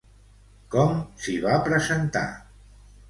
Com s'hi va presentar?